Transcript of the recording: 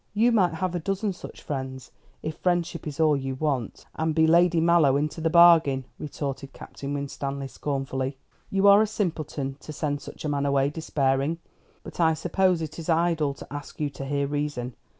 "You might have a dozen such friends, if friendship is all you want, and be Lady Mallow into the bargain," retorted Captain Winstanley scornfully. "You are a simpleton to send such a man away despairing. But I suppose it is idle to ask you to hear reason.